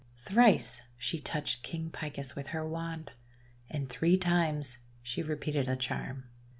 Thrice she touched King Picus with her wand, and three times she repeated a charm.